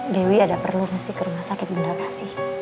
dewi ada perlu mesti ke rumah sakit indah pak sih